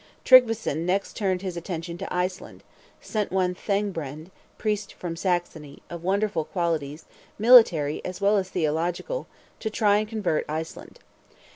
Tryggveson, next turned his attention to Iceland, sent one Thangbrand, priest from Saxony, of wonderful qualities, military as well as theological, to try and convert Iceland.